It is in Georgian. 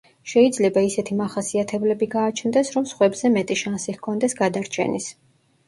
შეიძლება ისეთი მახასიათებლები გააჩნდეს, რომ სხვებზე მეტი შანსი ჰქონდეს გადარჩენის.